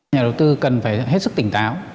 nhà đầu tư cần phải hết sức tỉnh táo